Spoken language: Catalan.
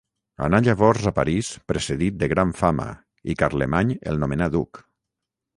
Anà llavors a París precedit de gran fama i Carlemany el nomenà duc.